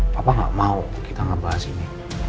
papa gak mau kita gak bahas ini